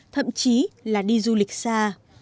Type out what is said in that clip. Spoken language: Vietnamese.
thậm chí là đi du lịch xa